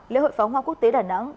lễ hội pháo hoa quốc tế đà nẵng